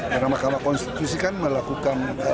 karena mahkamah konstitusi kan melakukan